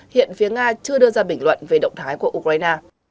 hiện phía nga chưa đưa ra bình luận về động thái của ukraine